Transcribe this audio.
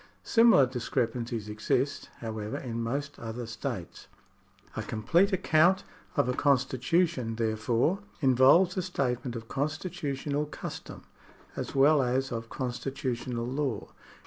Similar discrepancies exist, however, in most other states. A complete account of a constitution, therefore, involves a statement of constitutional custom as well as of constitutional law.